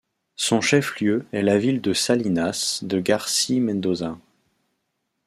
Son chef-lieu est la ville de Salinas de Garcí Mendoza.